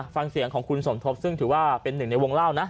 ฟังเสียงของคุณสมทบซึ่งถือว่าเป็นหนึ่งในวงเล่านะ